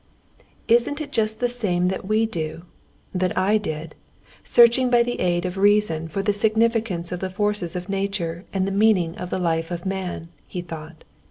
"Isn't it just the same that we do, that I did, searching by the aid of reason for the significance of the forces of nature and the meaning of the life of man?" he thought.